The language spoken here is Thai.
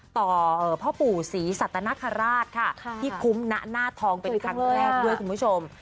ต่อพ่อปู่ศรีสัตนคราชค่ะที่คุ้มณหน้าทองเป็นครั้งแรกด้วยคุณผู้ชม